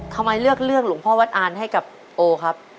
ทำไมเลือกเรื่องหลวงพ่อวัดอ่านให้กับโอครับ